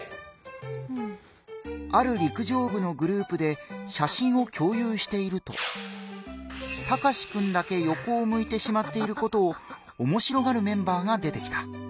ある陸上部のグループで写真を共有しているとタカシくんだけよこを向いてしまっていることをおもしろがるメンバーが出てきた。